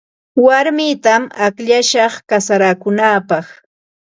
Warmitam akllashaq kasarakunaapaq.